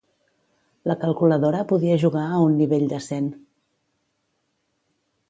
La calculadora podia jugar a un nivell decent.